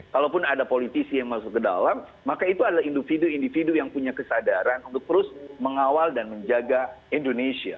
kalaupun ada politisi yang masuk ke dalam maka itu adalah individu individu yang punya kesadaran untuk terus mengawal dan menjaga indonesia